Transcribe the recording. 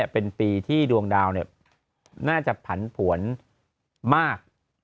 เป็นปีที่ดวงดาวน่าจะผันผวนมาก